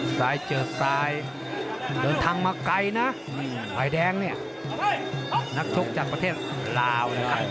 ซ้ายเจอซ้ายเดินทางมาไกลนะไพรแดงนี่นักชกจากประเทศลาวเลยครับ